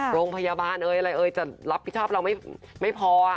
โรงพยาบาลเอ้ยอะไรเอ่ยจะรับผิดชอบเราไม่พอ